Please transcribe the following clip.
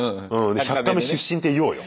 で「１００カメ」出身って言おうよ。